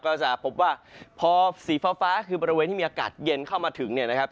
ก็จะพบว่าพอสีฟ้าคือบริเวณที่มีอากาศเย็นเข้ามาถึงเนี่ยนะครับ